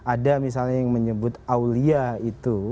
ada misalnya yang menyebut aulia itu